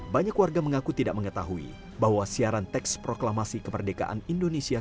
banyak warga mengaku tidak mengetahui bahwa siaran teks proklamasi kemerdekaan indonesia